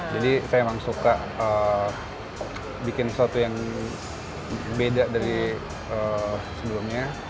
jadi saya memang suka bikin sesuatu yang beda dari sebelumnya